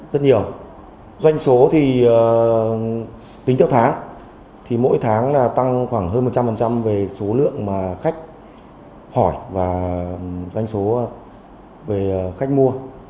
tính theo tháng thì mỗi tháng tăng khoảng hơn một trăm linh về số lượng mà khách hỏi và doanh số về khách mua